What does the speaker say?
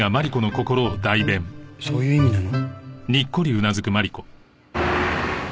そういう意味なの？